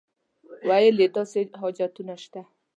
ویل یې داسې حاجیان شته.